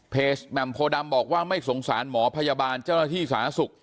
แหม่มโพดำบอกว่าไม่สงสารหมอพยาบาลเจ้าหน้าที่สาธารณสุข